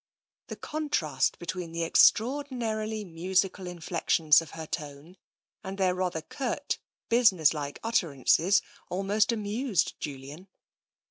The contrast between the extraordinarily musical in flexions of her tones and their rather curt, business like utterances almost amused Julian.